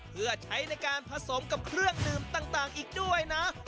เพื่อใช้ในการผสมกับเครื่องดื่มต่างอีกด้วยนะ